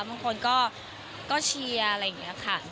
บางคนก็เชียร์อะไรอย่างนี้ค่ะ